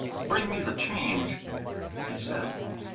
"Bring me the change," he said.